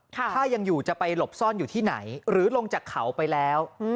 ถ้ายังอยู่จะไปหลบซ่อนอยู่ที่ไหนหรือลงจากเขาไปแล้ว